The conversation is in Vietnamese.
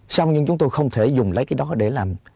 xong nhưng chúng tôi không thể dùng lấy cái đó để làm